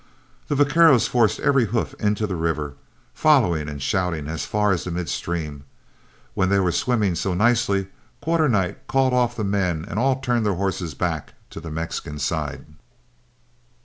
The vaqueros forced every hoof into the river, following and shouting as far as the midstream, when they were swimming so nicely, Quarternight called off the men and all turned their horses back to the Mexican side.